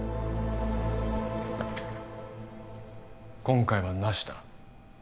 今回はなしだ